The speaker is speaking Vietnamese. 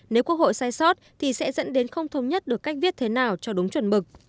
nếu quốc hội sai sót thì sẽ dẫn đến không thống nhất được cách viết thế nào cho đúng chuẩn mực